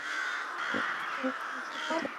এটার কাজ আপাতত শেষ।